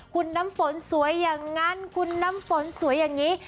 คุณน้ำฝนสวยอย่างนั้นคุณน้ำฝนสวยอย่างนี้